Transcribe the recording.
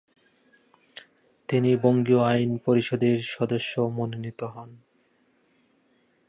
তিনি বঙ্গীয় আইন পরিষদের সদস্য মনোনীত হন।